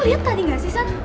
lo liat tadi gak sih san